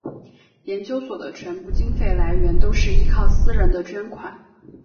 研究所的全部经费来源都是依靠私人的捐款。